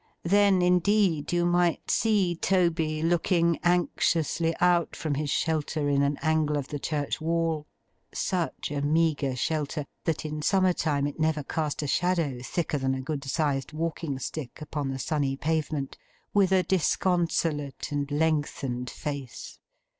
Then, indeed, you might see Toby looking anxiously out from his shelter in an angle of the church wall—such a meagre shelter that in summer time it never cast a shadow thicker than a good sized walking stick upon the sunny pavement—with a disconsolate and lengthened face.